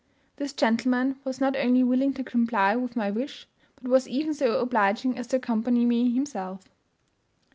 This gentleman was not only willing to comply with my wish, but was even so obliging as to accompany me himself.